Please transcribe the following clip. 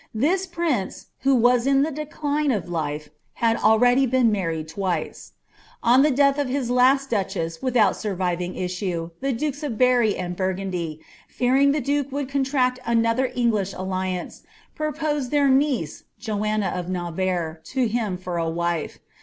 This prince, who was in the decline of life, had already been twice married.* On the death of his last duchess without surviving issue, the dukes of Berri and Burgundy, fearing the duke would contract another English alliance, proposed their niece, Joanna of Navarre, to him for a wife.